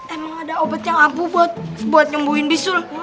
emang ada obat yang aku buat nyembuhin bisul